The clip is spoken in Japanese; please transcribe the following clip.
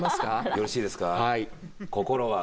よろしいですか。